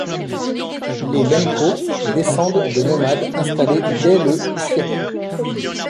Les Lemkos descendent de nomades installés dès le siècle.